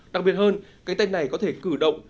đặc biệt hơn cánh tay này có thể cử động